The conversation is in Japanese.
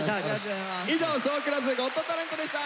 以上「ショークラズゴットタレント」でした。